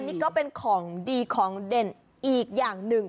นี่ก็เป็นของดีของเด่นอีกอย่างหนึ่ง